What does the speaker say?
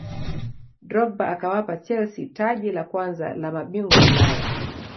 drogba akawapa chelsea taji la kwanza la mabingwa ulaya